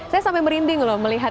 saya sampai merinding loh